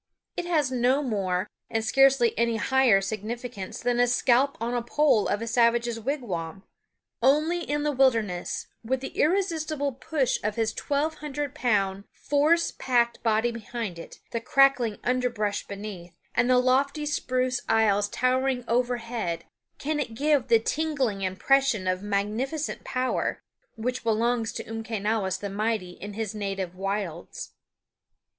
It has no more, and scarcely any higher, significance than a scalp on the pole of a savage's wigwam. Only in the wilderness, with the irresistible push of his twelve hundred pound, force packed body behind it, the crackling underbrush beneath, and the lofty spruce aisles towering overhead, can it give the tingling impression of magnificent power which belongs to Umquenawis the Mighty in his native wilds.